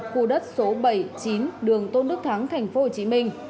hội đồng xét xử khẳng định khu đất số bảy chín đường tôn đức thắng thành phố hồ chí minh